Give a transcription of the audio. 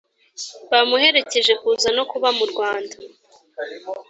bamuherekeje kuza no kuba mu Rwanda